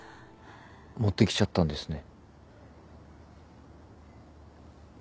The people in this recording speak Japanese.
持ってきちゃったんですね。